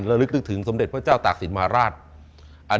ระลึกนึกถึงสมเด็จพระเจ้าตากศิลปราช